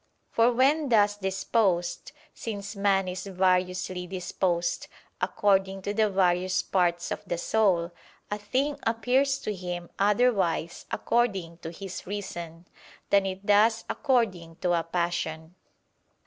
For when thus disposed, since man is variously disposed according to the various parts of the soul, a thing appears to him otherwise according to his reason, than it does according to a passion.